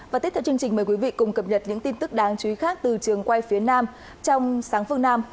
và tiếp theo chương trình mời quý vị cùng cập nhật những tin tức đáng chú ý khác từ trường quay phía nam trong sáng phương nam